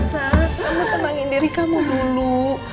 kamu tenangin diri kamu dulu